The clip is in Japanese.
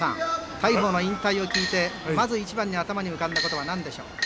大鵬の引退を聞いて、まずいちばんに頭に浮かんだことは何でしょう。